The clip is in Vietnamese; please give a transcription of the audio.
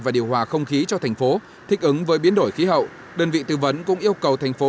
và điều hòa không khí cho thành phố thích ứng với biến đổi khí hậu đơn vị tư vấn cũng yêu cầu thành phố